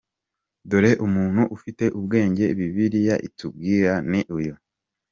Dore umuntu ufite ubwenge bibiliya itubwira ni uyu:.